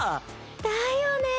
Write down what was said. だよね。